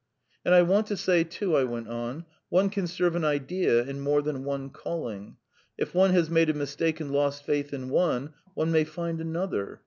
"And I want to say, too," I went on, "one can serve an idea in more than one calling. If one has made a mistake and lost faith in one, one may find another.